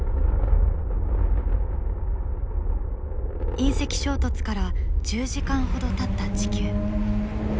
隕石衝突から１０時間ほどたった地球。